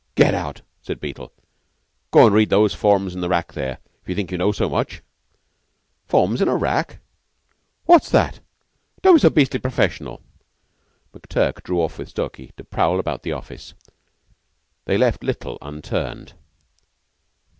"Get out!" said Beetle. "Go and read those formes in the rack there, if you think you know so much." "Formes in a rack! What's that? Don't be so beastly professional." McTurk drew off with Stalky to prowl about the office. They left little unturned.